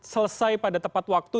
selesai pada tepat waktu